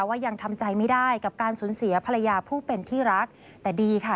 ยังทำใจไม่ได้กับการสูญเสียภรรยาผู้เป็นที่รักแต่ดีค่ะ